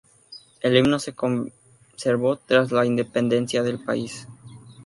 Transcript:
El himno se conservó tras la independencia del país.